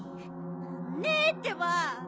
ねえってば！